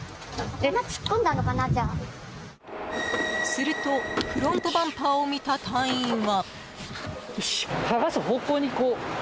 するとフロントバンパーを見た隊員は。